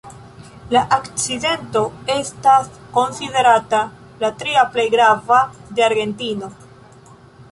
La akcidento estas konsiderata la tria plej grava de Argentino.